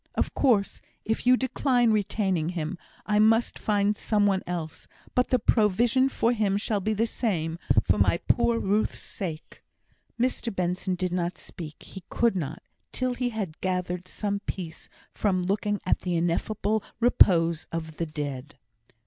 Of course, if you decline retaining him, I must find some one else; but the provision for him shall be the same, for my poor Ruth's sake." Mr Benson did not speak. He could not, till he had gathered some peace from looking at the ineffable repose of the Dead.